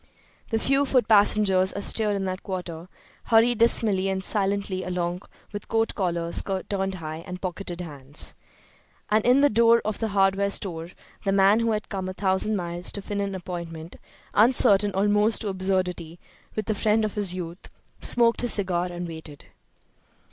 The few foot passengers astir in that quarter hurried dismally and silently along with coat collars turned high and pocketed hands. And in the door of the hardware store the man who had come a thousand miles to fill an appointment, uncertain almost to absurdity, with the friend of his youth, smoked his cigar and waited.